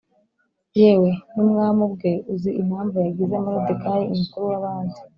Yewe n ‘umwami ubwe uzi impamvu yagize Moridekayi umukuru wabandi